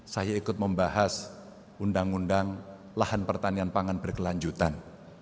saya ikut membahas undang undang lahan pertanian pangan berkelanjutan